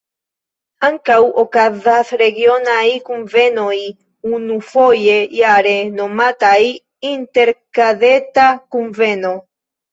Ankaŭ okazas regionaj kunvenoj unufoje jare nomataj "interkadeta kunveno".